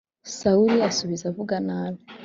Sawuli asubiza avuga nabi